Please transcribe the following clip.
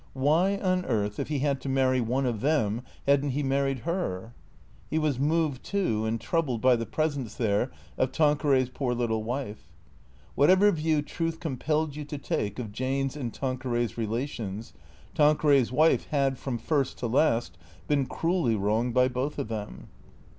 \Miy on earth, if he had to marn'^ one of them, had n't he married herf He was moved too and troubled by the presence there of Tanqueray's poor little wife, ^Vhatever view truth compelled you to take of Jane's and Tanqueray's relations, Tanquerars wife had, from first to last, been cruelly wronged by both of them.